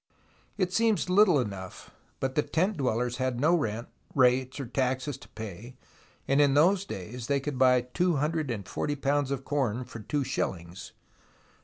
It seems little enough, but the tent dwellers had no rent, rates or taxes to pay, and in those days they could buy 240 lb. of corn for two shillings.